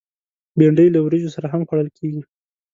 بېنډۍ له وریژو سره هم خوړل کېږي